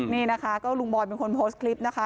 นี่นะคะก็ลุงบอยเป็นคนโพสต์คลิปนะคะ